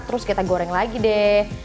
terus kita goreng lagi deh